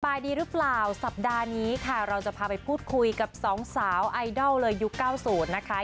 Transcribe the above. ดีหรือเปล่าสัปดาห์นี้ค่ะเราจะพาไปพูดคุยกับสองสาวไอดอลเลยยุค๙๐นะคะ